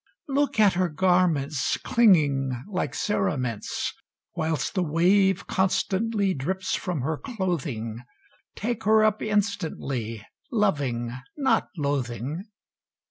Look at her garments Clinging like cerements; Whilst the wave constantly Drips from her clothing; Take her up instantly, Loving, not loathing.